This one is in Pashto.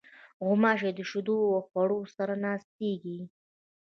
غوماشې د شیدو او خوړو سره ناستېږي.